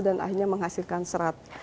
dan akhirnya menghasilkan serat